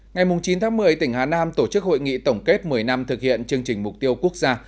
ngày chín tháng một mươi tỉnh hà nam tổ chức hội nghị tổng kết một mươi năm thực hiện chương trình mục tiêu quốc gia